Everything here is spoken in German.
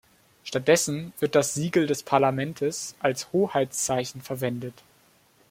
Stattdessen wird das Siegel des Parlamentes als Hoheitszeichen verwendet.